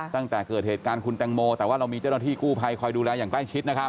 ตั้งแต่เกิดเหตุการณ์คุณแตงโมแต่ว่าเรามีเจ้าหน้าที่กู้ภัยคอยดูแลอย่างใกล้ชิดนะครับ